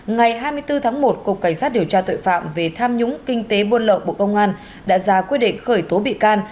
ngày hai mươi bốn tháng một cục cảnh sát điều tra tội phạm về tham nhũng kinh tế buôn lậu bộ công an đã ra quyết định khởi tố bị can